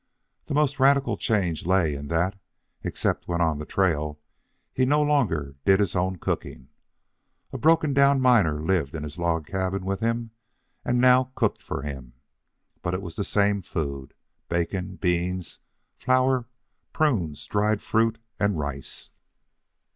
The most radical change lay in that, except when on trail, he no longer did his own cooking. A broken down miner lived in his log cabin with him and now cooked for him. But it was the same food: bacon, beans, flour, prunes, dried fruits, and rice.